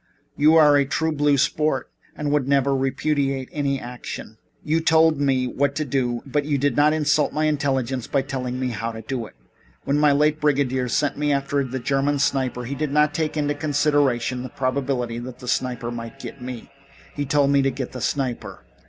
You are a true blue sport and would never repudiate my action. You told me what to do, but you did not insult my intelligence by telling me how to do it. When my late brigadier sent me after the German sniper he didn't take into consideration the probability that the sniper might get me. He told me to get the sniper.